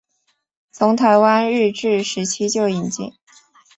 从台湾日治时期就引进。